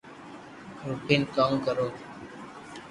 رودين ڪاو ڪرو